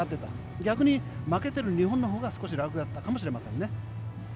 逆に負けている日本のほうが少し楽だったかもしれませんね。